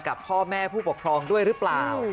กับพ่อแม่ผู้ปกครองด้วยหรือเปล่า